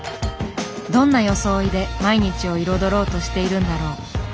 どんな装いで毎日を彩ろうとしているんだろう。